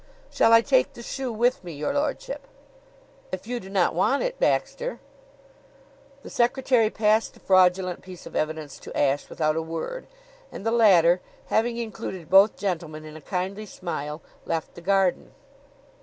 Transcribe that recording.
"Shall I take the shoe with me, your lordship?" "If you do not want it, Baxter." The secretary passed the fraudulent piece of evidence to Ashe without a word; and the latter, having included both gentlemen in a kindly smile, left the garden.